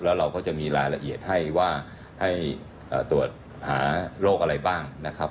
แล้วเราก็จะมีรายละเอียดให้ว่าให้ตรวจหาโรคอะไรบ้างนะครับ